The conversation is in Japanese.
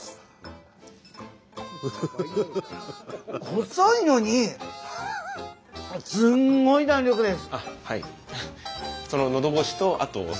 細いのにすんごい弾力です。